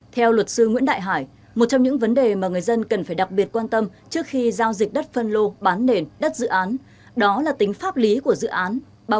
theo luật sư nguyễn đại hải một trong những vấn đề mà người dân cần phải đặc biệt quan tâm trước khi giao dịch đất phân lô bán nền đất dự án đó là tính pháp lý của dự án